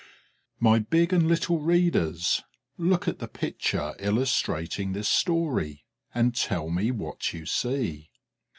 _ MY big and little readers, look at the picture illustrating this story and tell me what you see.